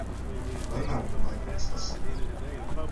Бына бүлмәнең асҡысы.